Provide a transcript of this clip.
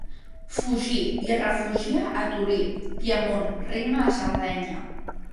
Fugí i es refugià a Torí, Piemont, Regne de Sardenya.